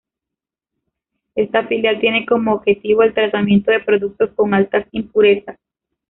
Esta filial tiene como objetivo el tratamiento de productos con altas impurezas.